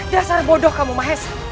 dasar bodoh kamu mahes